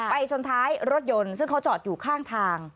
ชนท้ายรถยนต์ซึ่งเขาจอดอยู่ข้างทาง